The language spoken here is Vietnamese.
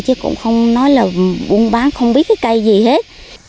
chứ cũng không nói là buôn bán không biết cái cây gì hết